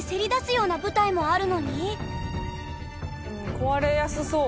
壊れやすそう。